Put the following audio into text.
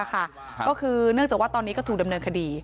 ก็คือเนื่องจากว่าตอนนี้ก็ถูกดำเนินคดี